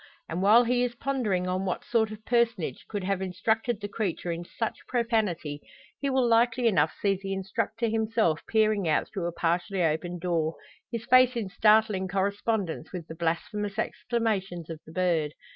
And while he is pondering on what sort of personage could have instructed the creature in such profanity, he will likely enough see the instructor himself peering out through a partially opened door, his face in startling correspondence with the blasphemous exclamations of the bird.